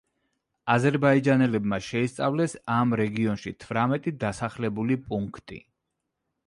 აზერბაიჯანელებმა შეისწავლეს ამ რეგიონში თვრამეტი დასახლებული პუნქტი.